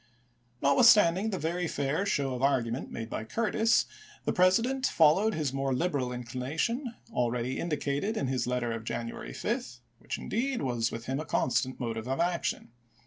Notwithstanding the very fair show of argument made by Curtis, the President followed his more liberal inclination already indicated in Ms letter of January 5, which, indeed, was with him a constant motive of action.